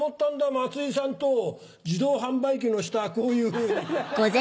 松井さんと自動販売機の下こういうふうに。